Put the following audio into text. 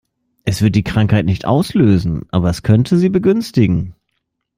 Es wird die Krankheit nicht auslösen, aber es könnte sie begünstigen.